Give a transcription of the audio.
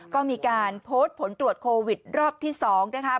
ก็มีการโพสต์ผลตรวจโควิดรอบที่๒นะคะ